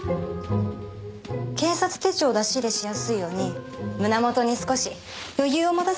警察手帳を出し入れしやすいように胸元に少し余裕を持たせておきます。